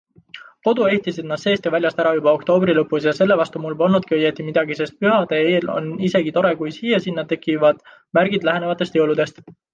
Kodu ehtisid nad seest ja väljast ära juba oktoobri lõpus ja selle vastu mul polnudki õieti midagi, sest pühade eel on isegi tore, kui siia-sinna tekivad märgid lähenevatest jõuludest.